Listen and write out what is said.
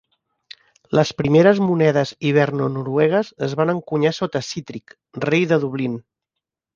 Les primeres monedes hiberno-noruegues es van encunyar sota Sihtric, rei de Dublin.